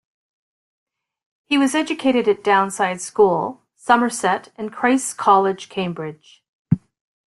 He was educated at Downside School, Somerset, and Christ's College, Cambridge.